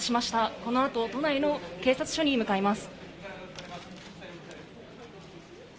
このあと、都内の警察署に向かいます。